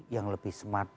yang lebih smart